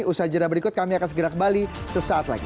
usaha jenah berikut kami akan segera kembali sesaat lagi